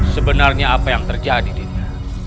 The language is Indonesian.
sebenarnya apa yang terjadi dinya